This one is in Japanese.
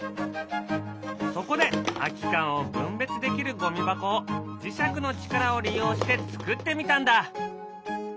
そこで空き缶を分別できるゴミ箱を磁石の力を利用して作ってみたんだ。